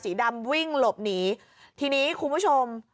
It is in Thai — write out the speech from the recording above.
สีดำวิ่งหลบหนีทีนี้คุณผู้ชม